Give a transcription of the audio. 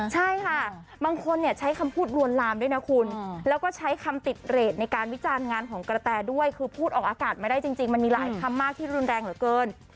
ใช่ค่ะบางคนเนี่ยใช้คำพูดลวนลามด้วยนะคุณแล้วก็ใช้คำติดเรทในการวิจารณ์งานของกระแตด้วยคือพูดออกอากาศไม่ได้จริงมันมีหลายคำมากที่รุนแรงเหลือเกิน